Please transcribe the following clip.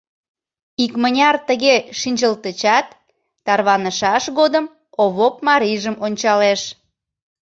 Икмыняр тыге шинчылтычат, тарванышаш годым Овоп марийжым ончалеш.